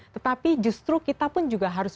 tetapi justru kita pun juga harus